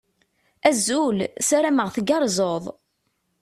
Azul. Sarameɣ tgerrzeḍ.